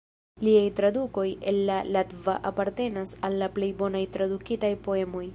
Liaj tradukoj el la latva apartenas al la plej bonaj tradukitaj poemoj.